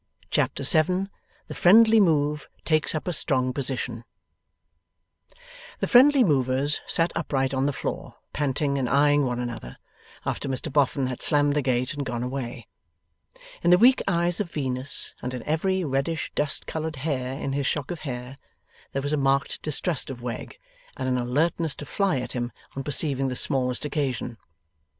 Chapter 7 THE FRIENDLY MOVE TAKES UP A STRONG POSITION The friendly movers sat upright on the floor, panting and eyeing one another, after Mr Boffin had slammed the gate and gone away. In the weak eyes of Venus, and in every reddish dust coloured hair in his shock of hair, there was a marked distrust of Wegg and an alertness to fly at him on perceiving the smallest occasion.